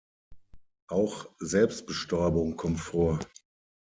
Auch Selbstbestäubung kommt vor.